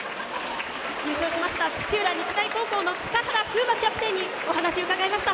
優勝しました土浦日大高校の塚原キャプテンにお話伺いました。